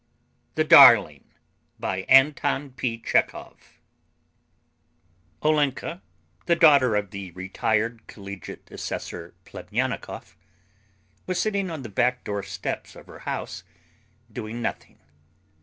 THE DARLING BY ANTON P. CHEKOV Olenka, the daughter of the retired collegiate assessor Plemyanikov, was sitting on the back door steps of her house doing nothing.